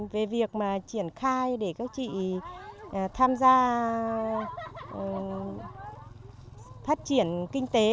về việc mà triển khai để các chị tham gia phát triển kinh tế